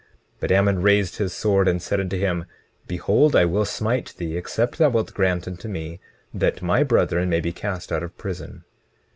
20:22 But Ammon raised his sword, and said unto him: Behold, I will smite thee except thou wilt grant unto me that my brethren may be cast out of prison.